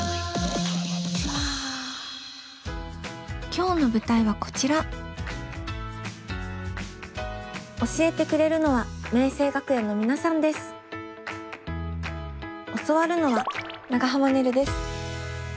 今日の舞台はこちら教えてくれるのは教わるのは長濱ねるです。